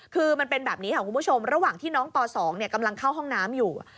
คือมันเป็นแบบนี้ค่ะคุณผู้ชมระหว่างที่น้องป๒กำลังเข้าห้องน้ำอยู่